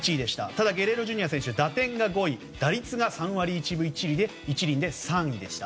ただ、ゲレーロＪｒ．選手打点が５位打率が３割１分１厘で３位でした。